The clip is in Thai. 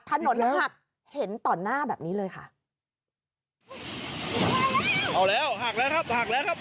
ถนนหักเห็นต่อหน้าแบบนี้เลยค่ะเอาแล้วหักแล้วครับหักแล้วครับ